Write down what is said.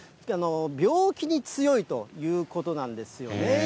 病気に強いということなんですよね。